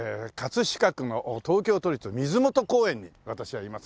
飾区の東京都立水元公園に私はいます。